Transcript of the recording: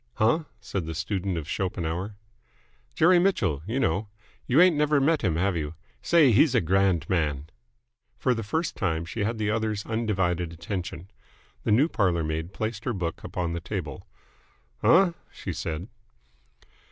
"Huh?" said the student of Schopenhauer. "Jerry Mitchell, you know. You ain't never met him, have you? Say, he's a grand man!" For the first time she had the other's undivided attention. The new parlour maid placed her book upon the table. "Uh?" she said.